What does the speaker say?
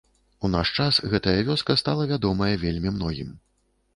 У наш час гэтая вёска стала вядомая вельмі многім.